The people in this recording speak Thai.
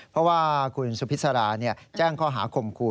เพราะว่าคุณสุพิษราแจ้งข้อหาข่มขู่